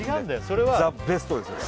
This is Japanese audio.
それはザベストですよ